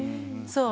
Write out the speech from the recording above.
そう。